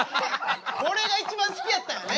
これが一番好きやったんやね。